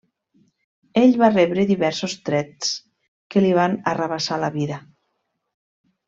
Ell va rebre diversos trets que li van arrabassar la vida.